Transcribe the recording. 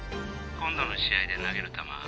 今度の試合で投げる球